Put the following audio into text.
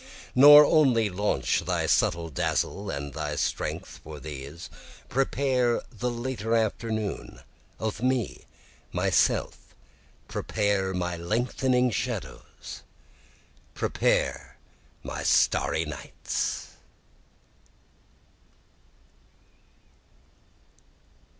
Nor only launch thy subtle dazzle and thy strength for these, Prepare the later afternoon of me myself prepare my lengthening shadows, Prepare my starry nights.